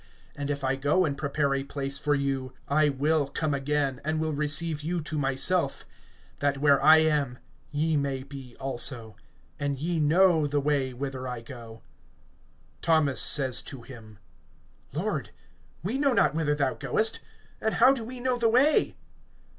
(3)And if I go and prepare a place for you, I will come again, and will receive you to myself; that where I am ye may be also. (4)And ye know the way whither I go. (5)Thomas says to him: Lord, we know not whither thou goest; and how do we know the way?